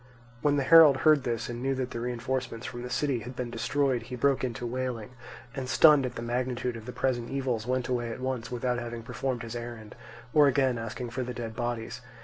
When the herald heard this and knew that the reinforcement from the city had been destroyed, he broke into wailing and, stunned at the magnitude of the present evils, went away at once without having performed his errand, or again asking for the dead bodies.